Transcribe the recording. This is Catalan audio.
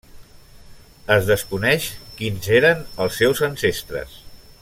Es desconeix quins eren els seus ancestres.